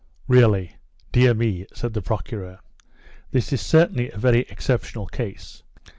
"Really! Dear me!" said the Procureur. "This is certainly a very exceptional case.